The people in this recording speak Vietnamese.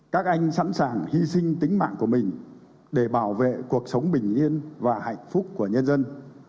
các anh sẵn sàng hy sinh tính mạng của mình để bảo vệ cuộc sống bình yên và hạnh phúc của nhân dân